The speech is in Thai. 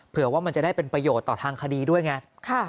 ว่ามันจะได้เป็นประโยชน์ต่อทางคดีด้วยไง